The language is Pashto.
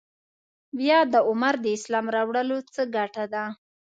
بیا د عمر د اسلام راوړلو څه ګټه ده.